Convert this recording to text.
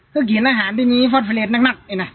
ก็กินอาหารที่มีฟอสเฟรดแน็กน่ะ